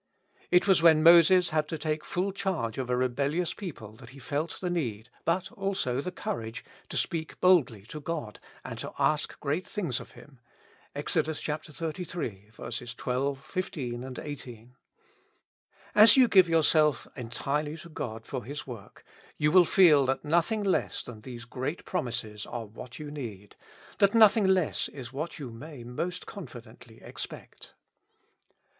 It was when Moses had to take full charge of a rebellious people that he felt the need, but also the courage, to speak boldly to God and to ask great things of Him (Ex. xxxiii. 12, 15, ]8). As you give yourself entirely to God for His work, you will feel that nothing less than these great promises are what you need, that nothing less is what you may most confidently expect.